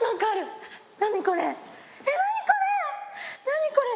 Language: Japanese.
何これ！